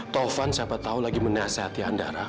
taufan siapa tau lagi meniasa hati andara